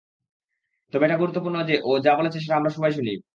তবে এটা গুরুত্বপূর্ণ যে ও যা বলেছে সেটা আমরা সবাই শুনি।